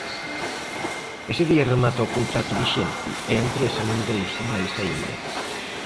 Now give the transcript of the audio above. Ese día remata o contrato vixente e a empresa non deu sinais aínda.